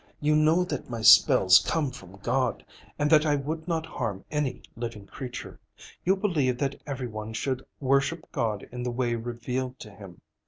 You know that my spells come from God, and that I would not harm any living creature. You believe that every one should worship God in the way revealed to him.